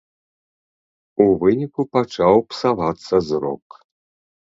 У выніку пачаў псавацца зрок.